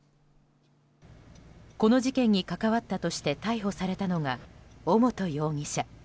この事件に関わったとして逮捕されたのが尾本容疑者。